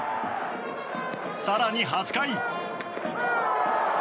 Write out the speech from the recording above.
更に８回。